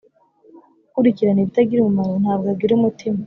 ukurikirana ibitagira umumaro ntabwo agira umutima